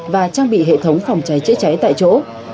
và trang bị hệ thống phòng cháy chữa cháy tại chỗ